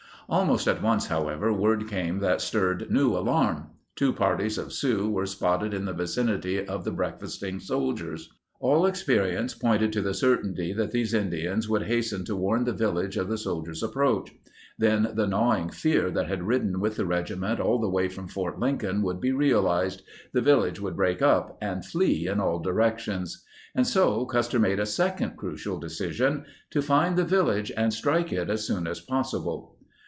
Almost at once, however, word came that stirred new alarm. Two parties of Sioux were spotted in the vicinity of the breakfasting soldiers. All experience pointed to the certainty that these Indians would hasten to warn the village of the soldiers' approach. Then the gnawing fear that had ridden with the regi ment all the way from Fort Lincoln would be realized: the village would break up and flee in all directions. And so Custer made a second crucial decision — to find the village and strike it as soon as possible.